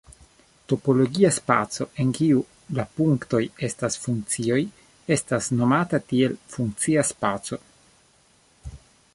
Topologia spaco en kiu la "punktoj" estas funkcioj estas nomata kiel "funkcia spaco".